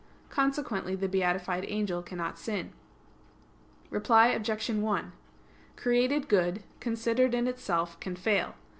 Consequently the beatified angel cannot sin. Reply Obj. 1: Created good, considered in itself, can fail.